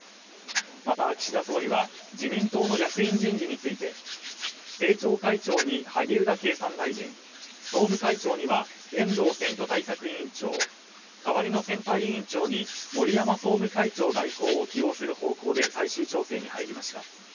また岸田総理は自民党の役員人事について政調会長に萩生田経産大臣総務会長には遠藤選対委員長代わりの選対委員長に森山総務会長代行を起用する方向で最終調整しました。